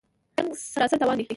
جـنګ سراسر تاوان دی